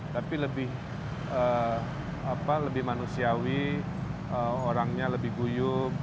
tapi lebih manusiawi orangnya lebih guyup